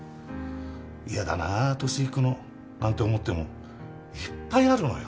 嫌だな年いくのなんて思ってもいっぱいあるのよ。